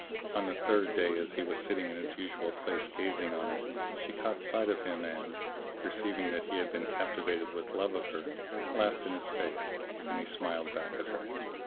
On the third day as he was sitting in his usual place gazing on her, she caught sight of him and, perceiving that he had been captivated with love of her, laughed in his face[FN#637] and he smiled back at her.